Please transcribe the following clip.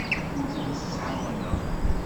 Ur tent-ttɛawaneɣ.